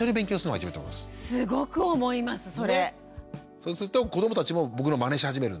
そうすると子どもたちも僕のまねし始めるんで。